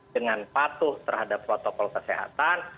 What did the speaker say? dengan patuh terhadap protokol kesehatan